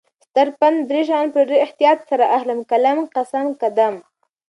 ستر پند: دری شیان په ډیر احتیاط سره اخله: قلم ، قسم، قدم